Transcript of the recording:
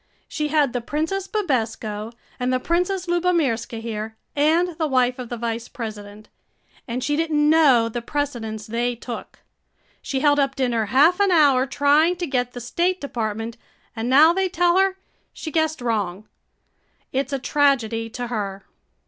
"She had the Princess Bibesco and the Princess Lubomirska here and the wife of the Vice President, and she didn't know the precedence they took. She held up dinner half an hour trying to get the State Department and now they tell her she guessed wrong. It 's a tragedy to her."